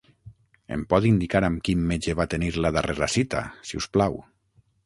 Em pot indicar amb quin metge va tenir la darrera cita, si us plau.